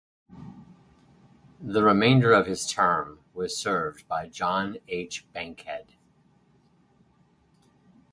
The remainder of his term was served by John H. Bankhead.